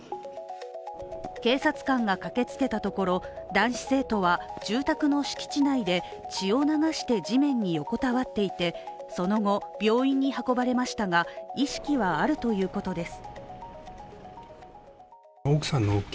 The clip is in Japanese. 警察官が駆けつけたところ、男子生徒は住宅の敷地内で血を流して地面に横たわっていてその後、病院に運ばれましたが意識はあるということです。